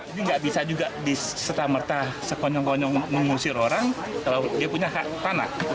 ini nggak bisa juga disetamerta sekonyong konyong mengusir orang kalau dia punya hak tanah